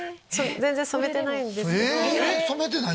全く染めてないんです。